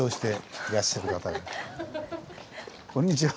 こんにちは。